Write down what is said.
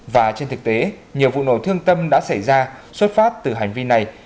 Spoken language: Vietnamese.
và trên thực tế nhiều vụ nổ thương tâm đã xảy ra xuất phát từ hành vi này